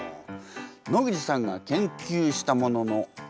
野口さんが研究したものの一覧ですね。